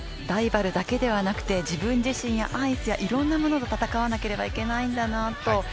ライバルだけではなくて、自分自身やアイス、いろんなものと戦わなければいけないんだなと。